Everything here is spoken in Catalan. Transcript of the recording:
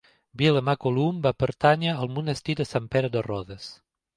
Vilamacolum va pertànyer al monestir de Sant Pere de Rodes.